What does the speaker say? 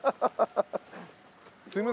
すいません。